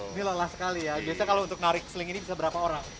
ini lelah sekali ya biasanya kalau untuk narik seling ini bisa berapa orang